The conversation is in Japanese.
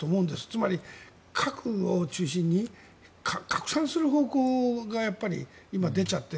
つまり、核を中心に拡散する方向がやっぱり今、出ちゃって。